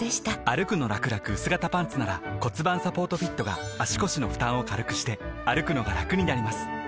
「歩くのらくらくうす型パンツ」なら盤サポートフィットが足腰の負担を軽くしてくのがラクになります覆个△